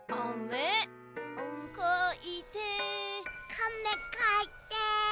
「かめかいて」